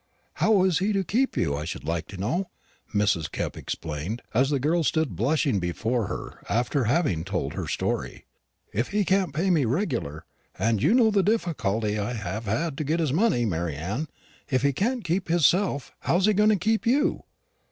"How's he to keep you, I should like to know," Mrs. Kepp exclaimed, as the girl stood blushing before her after having told her story; "if he can't pay me regular? and you know the difficulty I have had to get his money, Mary Anne. If he can't keep hisself, how's he to keep you?"